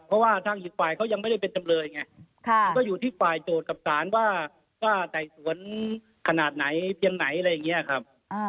เพราะว่าทางอีกฝ่ายเขายังไม่ได้เป็นจำเลยไงมันก็อยู่ที่ฝ่ายโจทย์กับศาลว่าไต่สวนขนาดไหนเพียงไหนอะไรอย่างนี้ครับ